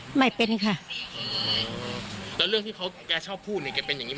แกเคยเป็นอย่างนี้มาก่อนไหมจ๊ะอยู่กันมานานเนี่ย